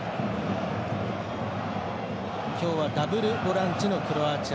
今日はダブルボランチのクロアチア。